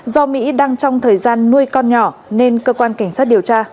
do mỹ đang trong thời gian nuôi con nhỏ nên cơ quan cảnh sát điều tra